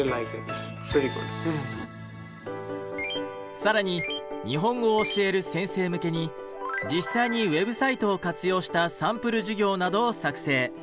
更に日本語を教える先生向けに実際にウェブサイトを活用したサンプル授業などを作成。